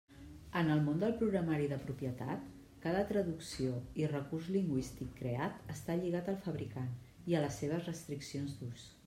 En el món del programari de propietat, cada traducció i recurs lingüístic creat està lligat al fabricant i a les seves restriccions d'ús.